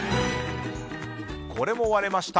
これも割れました。